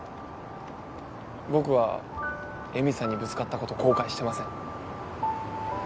僕は恵美さんにぶつかったこと後悔してません。